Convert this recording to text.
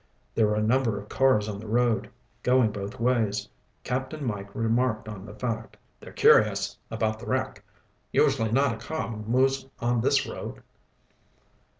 There were a number of cars on the road, going both ways. Captain Mike remarked on the fact. "They're curious about the wreck. Usually not a car moves on this road."